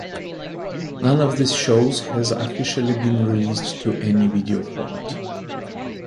None of these shows has officially been released to any video format.